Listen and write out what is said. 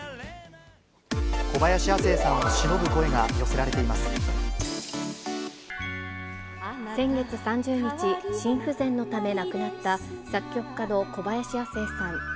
小林亜星さんをしのぶ声が寄先月３０日、心不全のため亡くなった、作曲家の小林亜星さん。